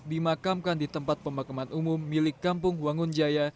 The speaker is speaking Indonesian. dimakamkan di tempat pemakaman umum milik kampung wangunjaya